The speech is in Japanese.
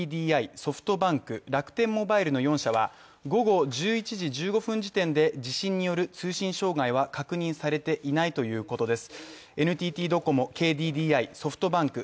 ソフトバンク楽天モバイルの４社は午後１１時１５分時点で地震により通信障害は確認されていないということです。